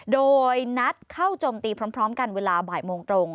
โดยนัดเข้าโจมตีพร้อมกันเวลาบ่ายโมงตรง